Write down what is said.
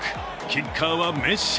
キッカーはメッシ。